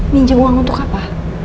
minjem uang untuk apa